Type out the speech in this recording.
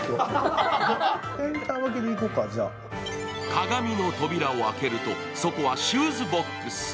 鏡の扉を開けると、そこはシューズボックス。